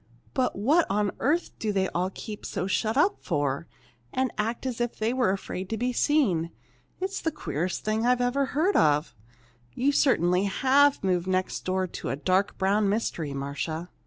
But what on earth do they all keep so shut up for, and act as if they were afraid to be seen! It's the queerest thing I ever heard of. You certainly have moved next door to a 'dark brown mystery,' Marcia!"